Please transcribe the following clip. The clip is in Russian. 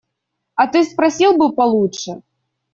А ты спросил бы получше.